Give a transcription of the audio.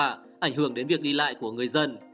ảnh hưởng đến việc đi lại của người dân